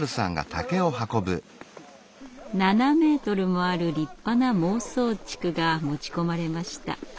７ｍもある立派な孟宗竹が持ち込まれました。